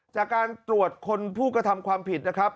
จากการตรวจคนผู้กระทำความผิดนะครับ